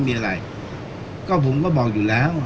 การสำรรค์ของเจ้าชอบใช่